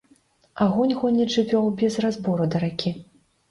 Агонь гоніць жывёл без разбору да ракі.